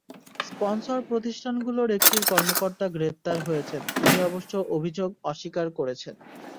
Sponsor প্রতিষ্ঠানগুলোর একটির কর্মকর্তা গ্রেপ্তার হয়েছেন, তিনি অবশ্য অভিযোগ অস্বীকার করেছেন।